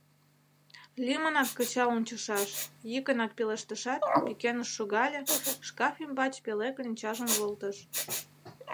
— Лӱмынак кычал ончышаш, — йӱкынак пелештышат, пӱкеныш шогале, шкаф ӱмбач пеле кленчажым волтыш.